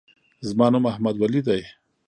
زما نوم احمدولي دی.